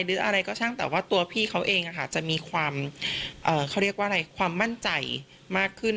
หรืออะไรก็ช่างแต่ว่าตัวพี่เขาเองจะมีความเขาเรียกว่าอะไรความมั่นใจมากขึ้น